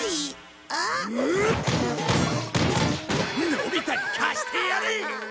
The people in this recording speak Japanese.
のび太に貸してやれ！